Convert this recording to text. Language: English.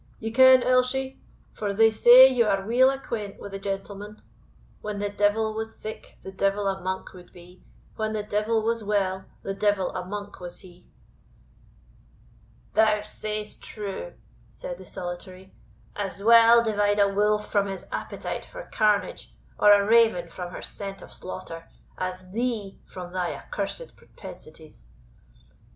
"Ye ken, Elshie, for they say ye are weel acquent wi' the gentleman, "When the devil was sick, the devil a monk would be, When the devil was well, the devil a monk was he." "Thou say'st true," said the Solitary; "as well divide a wolf from his appetite for carnage, or a raven from her scent of slaughter, as thee from thy accursed propensities."